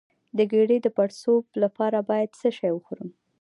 د ګیډې د پړسوب لپاره باید څه شی وخورم؟